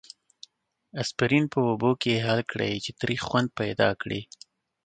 اسپرین په اوبو کې حل کړئ چې تریخ خوند پیدا کړي.